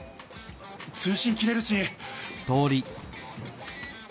通しん切れるし。